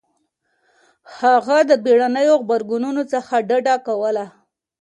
هغه د بېړنيو غبرګونونو څخه ډډه کوله.